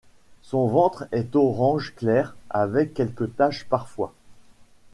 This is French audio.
Son ventre est orange clair, avec quelques taches parfois.